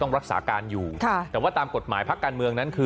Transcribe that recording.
รักษาการอยู่ค่ะแต่ว่าตามกฎหมายพักการเมืองนั้นคือ